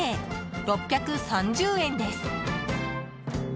６３０円です。